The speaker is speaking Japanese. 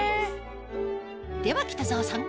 では北澤さん